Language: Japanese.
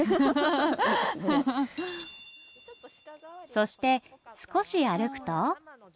そして少し歩くと。